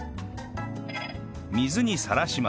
水にさらします。